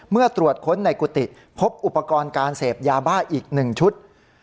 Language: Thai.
เมื่อตรวจค้นในกุฏิพบอุปกรณ์การเสพยาบ้าอีก๑ชุด